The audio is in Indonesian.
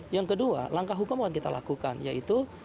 yang kedua langkah hukum yang kita lakukan yaitu